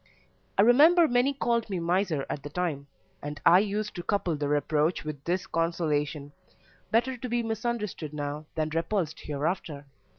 I remember many called me miser at the time, and I used to couple the reproach with this consolation better to be misunderstood now than repulsed hereafter.